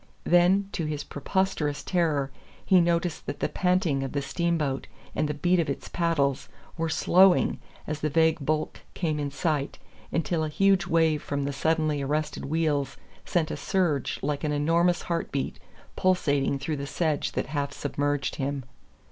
Then, to his preposterous terror, he noticed that the panting of the steamboat and the beat of its paddles were "slowing" as the vague bulk came in sight, until a huge wave from the suddenly arrested wheels sent a surge like an enormous heartbeat pulsating through the sedge that half submerged him.